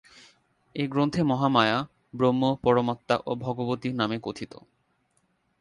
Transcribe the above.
এই গ্রন্থে মহামায়া ব্রহ্ম, পরমাত্মা ও ভগবতী নামে কথিত।